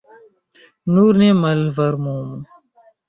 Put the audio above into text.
Nur ne malvarmumu.